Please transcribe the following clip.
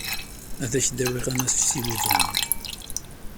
Ad k-d-awiɣ anasiw-iḍen.